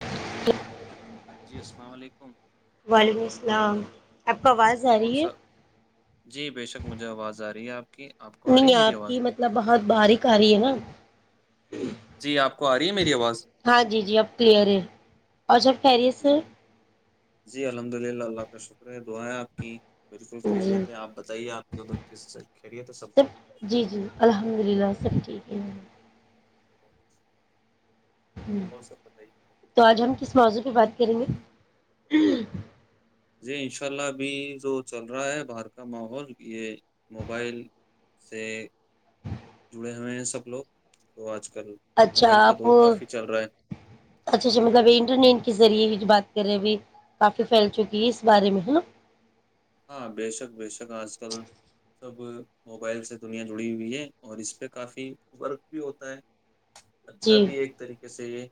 hello جی السلام علیکم وعلیکم السلام آپ کو آواز آ اور رہی س ہے جی بے شک مجھے آواز آ رہی ہے آپ کی آپ کو آ رہی نہیں ہے میری آپ آواز کی مطلب بہت باریک آ رہی ہے نا جی آپ کو آ رہی ہے میری آواز ہاں جی جی اب کلیئر ہے اور سب کہہ رہی ہے جی سر جی الحمد للہ اللہ کا شکر ہے دعائیں آپ کی بالکل کھی جی رہے تھے آپ بتائیے آپ کے ادر کس سے کھیریے تھے سب انین ہ اور سب بتائیے تو آج ہم کس موضوع پہ بات سھرم جی انشاء اللہ ابھی جو چل رہا ہے باہر کا ماحول یہ موبائل سے جڑے ہوئے ہیں سب لوگ تو آج کل اچھا موبائل کا آپ دور کافی چل رہا ہے اچھا اچھا مطلب انٹرنیٹ کے ذریعے بات ویر بھی کافی پھیل چکی ہے اس بارے میں ہے نا ہاں بے شک بے شک آج کل سب موبائل سے دنیا جڑی ہوئی ہے اور اس پہ کافی ورک بھی ہوتا ہے اچھا جی بھی ایک طریقے سے یہ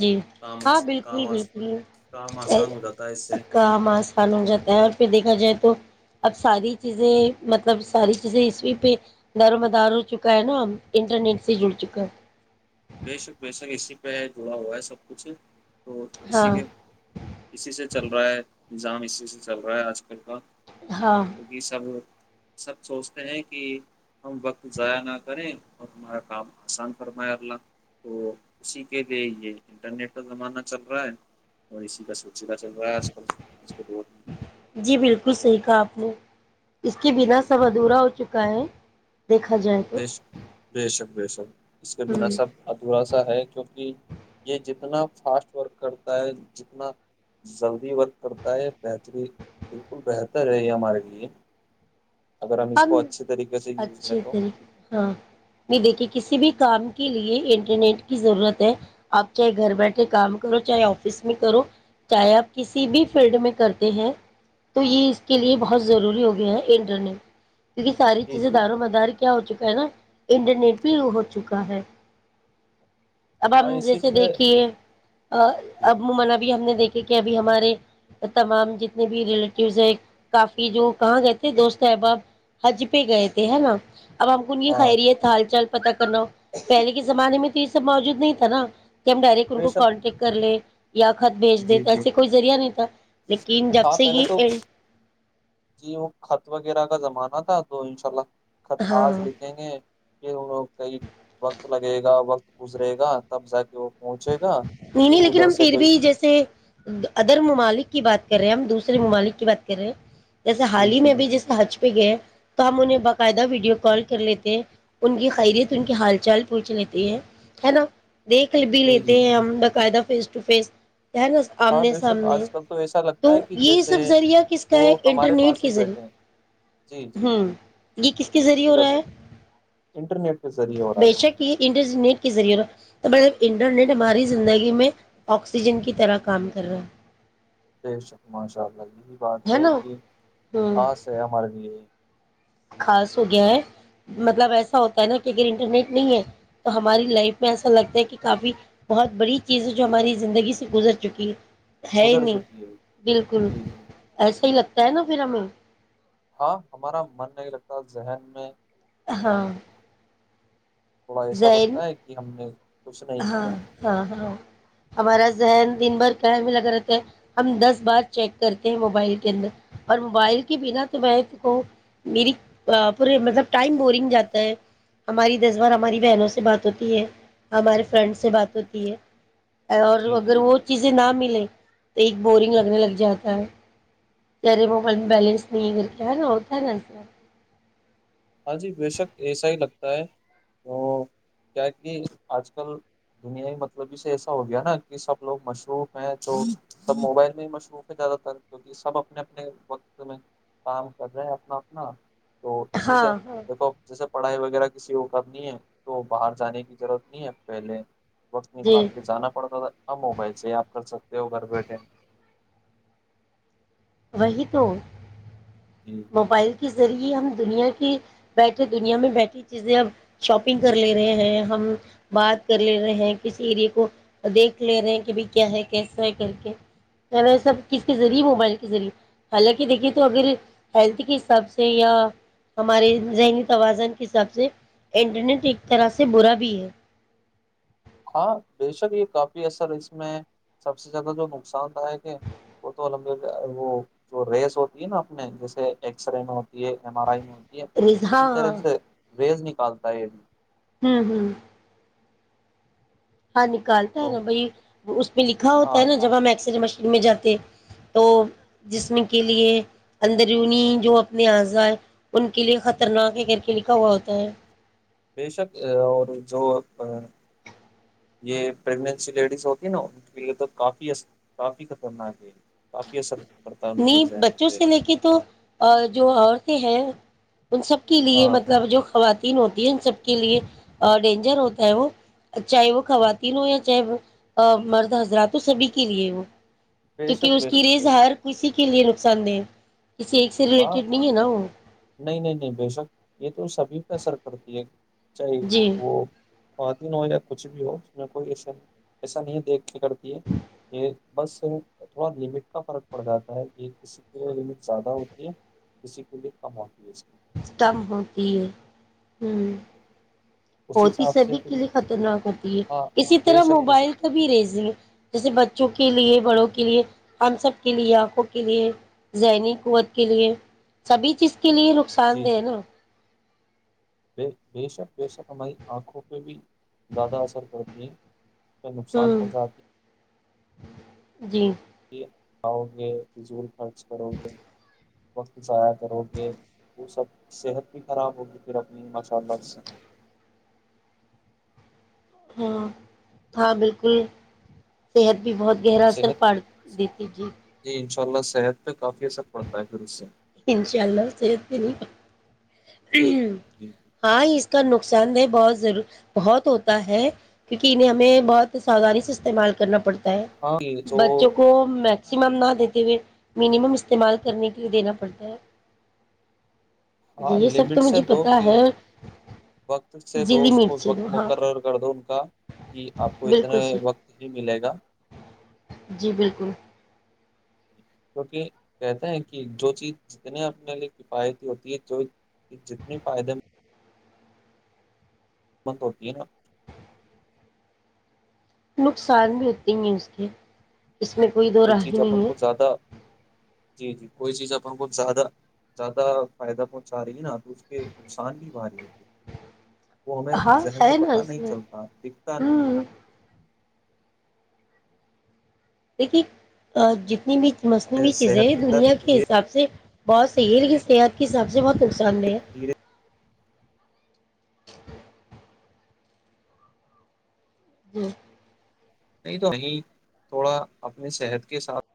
جی کام ہاں بالکل کام بالکل کام آسان ہو جاتا ہے اس سے کام آسان ہو جاتا ہے اور پھر دیکھا جائے تو تو اب ساری چیزیں مطلب ساری چیزیں اسی پہ دار و مدار ہو چکا ہے نا ہم انٹرنیٹ سے جڑ چکا ہے بے شک بے شک اسی پہ ہے جڑا ہوا ہے سب کچھ تو اسی ہاں کے اسی سے چل رہا ہے جام اسے سے چل رہا ہے آج کل کا ہاں کیکہ سب سب سوچتے ہیں کہ ہم وقت ضائع نہ کریں اور ہمارا کام آسان فرمائے اللہ تو اسی کے لیے یہ انٹرنیٹ کا زمانہ چل رہا ہے اور اسی کا س ھیکا ب آج کل آج کلت کسے کا آپو اس کے بنا جی سب جی ادھورا ہو چکا ہے دیکھا جائے تو و سب اس کے بنا ہوں سب ادھورا سا ہے کیونکہ یہ ج اتنا فاسٹ ورک کرتا ہے جتنا جلدی ورک کرتا ہے بہتری بالکل بہتر ہے یہ ہمارے لیے اگر اس ہم کو اچھے طریقے سے یوز لیں اچھے تو ہاں نہیں دیکھیے کسی بھی کام کے لیے انٹرنیٹ کی ضرورت ہے آپ چاہے گھر بیٹھے کام کرو چاہے آفس میں کرو چاہے آپ کسی بھی فیلڈ میں کرتے ہیں تو یہ اس کے لیے بہت ضروری ہو گیا ہے انٹرنیٹ کیکہ ساری جی چیزیں جی داروں مدار کیا ہو چکا ہے نا انٹرنیٹ بھی ہو چکا ہے اب ہاں ہم اسی جیسے پہ دیکھیے جی اب م منب ہم نے دیکھی کہ ابھی ہمارے تمام جتنے بھی ریلیٹوز ہے کافی جو کہاں گئے تھے دوست احباب حج پہ گئے تھے ہے نا اب ہم کون یہ ہاں خیریت ہال چل پتا کرنا پہلے کے زمانے میں تو یہ سب موجود نہیں تھا نا کہ ہم ڈائریکٹ ان بے کو شک کانٹیکٹ کر لیں یا خط بھیج جی دےتا جی ایسے کوئی ذریعہ نہیں تھا لیکن جب ہاں سے پہلے یہ تو جی وہ خط وغیرہ کا زمانہ تھا تو انشاء اللہ خط ہاں آج لکھیں گے کہ انگ کئی وقت لگے گا وقت گزرے گا تب جا کے وہ پہنچ نہیں نہیں لیکن ہم پھر بھی جیسے ادر ممالک کی بات کر رہے ہیں ہم دوسرے ممالک کی بات کر رہے ہیں جیسے جی حال ہی جی میں بھی جی جس حج پہ گئے تو ہم انہیں باقاعدہ ویڈیو کال کر لیتے ہیں ان کی خیریت ان کے حال چال پوچھ لیتے ہیں ہے نا دیکھ ل بھی جی لیتے جی ہیں ہم ب قاعدہ فیس ٹ فیس نا ہاں آمنے بے شک سامنے آج کل تو ایسا لگتا تو ہے کہ یہ جیسے سب ذریعہ کس کا وہ ہے ہمارے انٹرنیٹ پاس کے ہی ذریعے بیٹھے ہیں جی جی جی ہ یہ کس کے ذریعے اسی ہو کا رہا ذ- ہے انٹرنیٹ کے ذریعے ہو رہا ہے بے جی شک یہ انٹرنیٹ کے ذریعے ہو رہا ہے انٹرنیٹ ہماری زندگی میں آکسیجن کی طرح کام کر رہا بٹ شک ماشاء اللہ یہی بات ہے کہ ہوں خاص ہے ہمارے لیے خاص ہو گیا ہے مطلب ایسا ہوتا ہے نا کہ اگر انٹرنیٹ نہیں ہے تو ہماری لائف میں ایسا لگتا ہے کہ کافی بہت بڑی چیزیں جو ہماری زندگی سے گزر چکی ہے ہے ہی گزر نہیں چکی ہے بالکل جی جی ایسا ہی لگتا کہ ن پھر ہمیں ہاں ہمارا من نہیں لگتا ذہن میں ب- ہاں تھوڑا ایسا زین لگتا ہے کہ ہم نے کچھ نہیں ہاں کیا ہاں ہاں ہمارا جی ذہن دن بھر کہنے بھی لگتا ہم دس بار چیک کرتے ہیں موبائل کے اندر اور موبائل کے بنا تو میں می پورے ملب ٹائم بورنگ جاتا ہے ہماری دس ار ہماری بہنوں سے بات ہوتی ہے ہمارے فرینڈ سے بات ہوتی ہے اور جی اگر جی وہ چیزیں نہ مل ے تو ایک بورنگ لگنے لگ جاتا ہے ارے موبائل میں بیلنس نہیں کر کے ہے نا ہوتا ہے نا س ہاں جی بے شک ایسا ہی لگتا ہے تو کیا کہ آج کل دنیا ہی مطلبی سے ایسا ہو گیا نا کہ سب لوگ مصروف ہیں جو سب موبائل میں ہی مصروف ہے زیادہ تر کیونکہ سب اپنے اپنے وقت میں کام کر رہے ہیں اپنا اپنا اسی سے ہاں ہاں دیکھو جیسے پڑھائی وغیرہ کا کسی کو کب نہیں ہے تو باہر جانے کی ضرورت نہیں ہے پہلے وقت نکال جی کے جانا پڑتا تھا اب موبائل سے ہی آپ کر سکتے ہو گھر بیٹھے وہی تو جی موبائل کے ذریعے ہم دنیا کی بیٹھے دنیا میں بیٹھی چیزیں اب شاپنگ کر لے رہے ہیں ہم بات کر لے رہے ہیں کسی اریے کو دیکھ لے رہے ہیں کہ بھ کیا ہے کیسا ہے کر کے سب کز کے ذریعے موبائل کے ذریعے حالانکہ دیکھیے تو اگر ہیلتھ کے حساب سے یا ہمارے ذہنی توازن کے حساب سے انٹرنیٹ ایک طرح سے برا بھی ہے ہاں بےشک یہ کافی اثر اس میں سب سے زیادہ جو نقصان د ہے کہ وہ تو امپ وہ جو ریس ہوتی ہے نا اپنے جیسے ایکس رے میں ہوتی ہے ایم آر آئی میںتی ہے رضا اسی طرح ہاں سے ریز نکل چالتا یہ بھی ہوں ہوں ہاں نکالتا ہے تو نا بھ اس پہ لکھا ہوتا ہے ہاں نا جب ہم ایکسرے مشین میں جاتے تو جسم کے لیے اندرونی جو اپنے اعضاء ان کے لیے خطرناک ہے کر کے لکھا ہوا ہوتا ہے بیشک اور جو یہ پگننسی لیڈیز ہوتی نا ان کے لیے تو کافی کافی خطرناک ہے کافی اثر پڑتا ہے ان نی کے ذہن بچوں پہ سے لے کے تو جو اور تی ہے ان سب کے لیے ہاں مطلب جو خوات ہوتی ہے ان سب کے لیے ڈینجر ہوتا ہے وہ چاہے وہ خواتین ہو یا چاہے وہ مرد حضرات ہو سبھی کے لیے وہ بے کیونکہ شک اس بے کی شک بے شک زار کے لیے نقصان دہ کسی ایک سے ہاں ریلیٹڈ نہیں ہے نا وہ نہیں نہیں نہیں بے شک یہ تو سبھی ک سر پڑتی ہے چاہ جی وہ خواتین ہو یا کچھ بھی ہو اس میں کوئی ایا ایسا نہیں دیکھ کرتی ہے یہ بس تھوڑا لمٹ کا فرق پڑ جاتا ہے یہ کسی کے لمٹ زیادہ ہو یہ کسی کے لیے کم ہوتی ہے اس کی استم ہوتی ہے ہوں اس ہوتی حساب سے سبھی پھر کے لیے یہ- خطرناک ہوتی ہے ہاں اسی بے طرح شک بے شک موبائل کا بھی ریزنگ جیسے بچوں کی کے لیے بڑوں کے لیے ہم سب کے لیے آنکھوں کے لیے ذہنی قوت کے لیے سبھی چیز کے لیے نقصان جی دہ جی نا بے شک بے شک ہماری آنکھوں پہ بھی زیادہ اثر کرتی ہیں میں ہ نقصان پہنچاتی جی کہ آؤ گے فضول خرچ کرو گے وقت ضائع کرو گے وہ سب صحت بھی خراب ہوگی پھر اپنی ماشاء اللہ سے ہاں ہاں بالکل صحت بھی بہت گہرا اثر صحت پڑ دیتی جی جی ان صحت پہ کافی اثر پڑتا ہے پھر اس سے انشاء اللہ صحت پی نہیں جی ہاں اس کا نقصان دہ بہت ضرور بہت ہوتا ہے کیونکہ انہیں ہمیں بہت ساؤودانی سے استعمال کرنا پڑتا ہاں تو بچوں کو میکسیمم نہ دیتے ہوئے منیمم استعمال کرنے کے لیے دینا پڑتا ہے جی ہاں یہ سب لمٹ تو سے مجھے دو پتا کہ ہے وقت سے دو ضلع اس کو مرچ سے وقت دو ہاں مقرر کر دو ان کا کہ آپ کو اتنا بالکل صحیح وقت ہی ملے گا جی بالکل کیونکہ کہتا ہے کہ جو چیز جتنے اپنے لیے کفایتی ہوتی ہے جو جتنے فائدے ب ہوتی نا نقصان بھی ہوتے ہیں اس کے اس میں کوئی دو راہ چیز اپن نہیں ہے کو زیادہ جی جی کوئی چیز اپ ان کو زیادہ زیادہ فائدہ پہنچا رہی ہے نا تو اس کے نقصان بھی با رہی ہے وہ ہمیں ہاں ذہن سے ہے نا پتہ اس نہیں میں چلتا دکھتا نہیں ہوں دیکھیے جتنی بھی مصنوعی چیزیں ہیں صحت کے اندر دنیا کے دھیرے حساب سے بہت سہل کی صحت کے حساب سے بہت نقصان دہ ہے دھیرے جی نہیں تو وہیں تھوڑا اپنے صحت کے ساتھ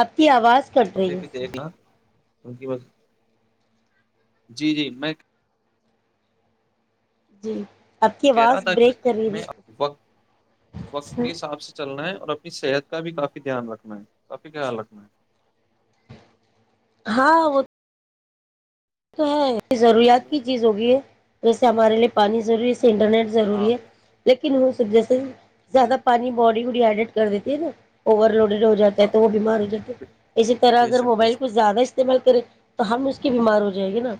آپ کی آواز کرٹ رہی اس کیونکی بس جی جی میں جی [inaudible] کہہ رہا آواز تھا کہ بریک کر رہی ہمیںب وقت وقت ہے کے حساب سے چلنا ہے اور اپنی صحت کا بھی کافی دھیان رکھنا ہے کافی خیال رکھنا ہے ہاں وہ تو ہے ضروریات ہلو کی چیز ہوگی ہے جیسے جی ہمارے لیے پانی ضروری انٹرنیٹ ہاں ضروری ہے لیکن ک نہیں ہو سک جس سے جی زیادہ پانی بوڑی ایڈٹ کر دیتی ہے نا اوور لوڈن ہو جاتا ہے ہاں تو وہ بیمار ہو جاتا ہیں اسی طرح بے اگر شک بے موبائل شک کو زیادہ استعمال کریں تو ہم اس کے بیمار ہو ج جائے گی نا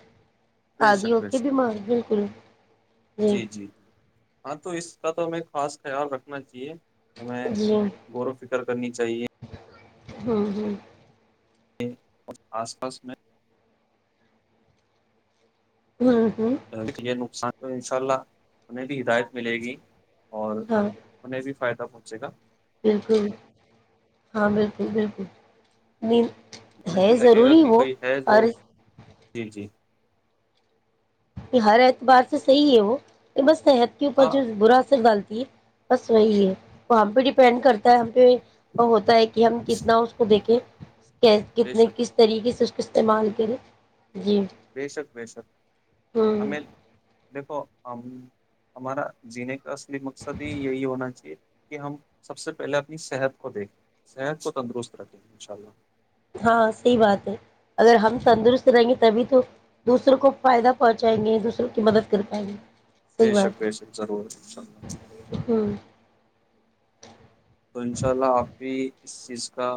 بے آاد شک بے اوکے شک بیمار بالکل جی جی ہاں تو اس کا تو ہمیں خاص خیال رکھنا چاہیے ہمیں جی ہوں گورو ف ر کرنی جاہے ہاں ہاں آس پاس میں ہوں ہوں یہ نقصان تو انشاء اللہ انہیں بھی ہدایت ملے گی ہاں فائد پہنچے گا بالکل ہاں بالکل بالکل ن انہیں بھی لگے گا کہ کوئی ہے وہ جی جی یہ ہر اعتبار سے صحیح ہے وہ کہ بس صحت کے اوپر ہاں جو برا اثر ڈالتی بس وہی ہے وہ ہم پہ ڈیپینڈ کرتا ہے ہم پہ وہ ہوتا ہے کہ ہم کتنا اس کو دیکھیں بے کتنے شک کس طریقے سے استعمال کریں جی بے شک بی شک ہوں ہمیں دیکھو ہم ہمارا جینے کا اصلی مقصد ہی یہی ہونا چاہیے کہ ہم سب سے پہلے اپنی صحت کو دیکھیں صحت کو تندرست رکھیں ان شاء اللہ ہاں صحیح بات ہے اگر ہم تندرست رہیں گے تبھی تو دوسروں کو فائدہ پہنچائیں گے دوسروں کی مدد کر پائیں گے بے صحیح شک بات بے ہے شک ضرور ہ تو انشاء اللہ آپ بھی اس چیز کا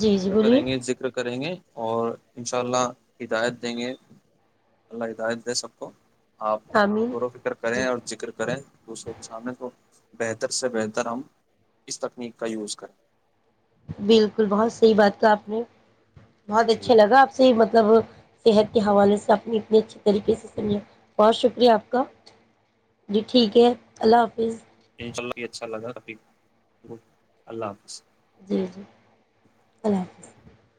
جی جی فکر بولیے کریں گے ذکر کریں گے اور ان شاء اللہ ہدایت دیں گے اللہ ہدایت دے سب کو آپ آمین گورو فکر کریں جی اور ذکر کریں دوسروں کے سامنے تو بہتر سے بہتر ہم اس تکنیک کا یوز کریں بالکل بہت صحیح بات کہ آپ نے بہت جی اچھا لگا آپ سے مطلب صحت کے حوالے سے اپنی اتنی اچھھی طریقے سے سمجھا بہت شکریہ آپ کا جی ٹھیک ہے اللہ حافظ انشاء اللہ بھی اچھا لگا ابھی اللہ حافظ جی جی اللہ حافظ